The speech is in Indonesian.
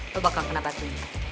lo bakal kena batunya